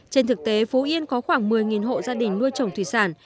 trên thực tế phú yên có khoảng một mươi hộ gia đình nuôi trồng thủy sản